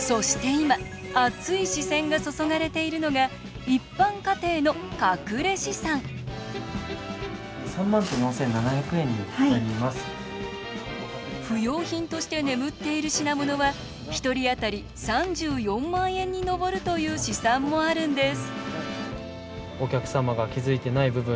今熱い視線が注がれているのが一般家庭の隠れ資産不用品として眠っている品物は１人あたり３４万円に上るという試算もあるんです